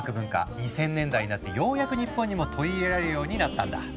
２０００年代になってようやく日本にも取り入れられるようになったんだ。